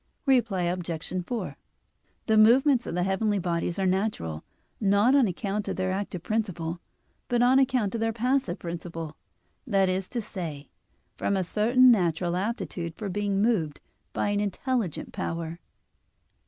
Reply Obj. 4: The movements of the heavenly bodies are natural, not on account of their active principle, but on account of their passive principle; that is to say, from a certain natural aptitude for being moved by an intelligent power.